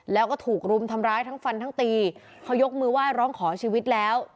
แล้วก็ถูกรุมทำร้ายทั้งฟันทั้งตีเขายกมือไหว้ร้องขอชีวิตแล้ว